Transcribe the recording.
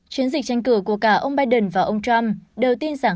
chiến dịch tranh cử của cả ông biden và ông trump đều tin rằng